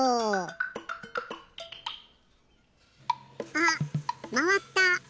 あっまわった！